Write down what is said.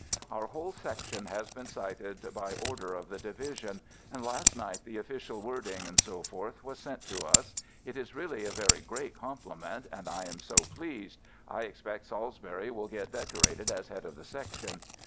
Our whole Section has been cited by Order of the Division, and last night the official wording, etc., was sent to us. It is really a very great compliment and I am so pleased — I expect Salisbury will get decorated as head of the Section.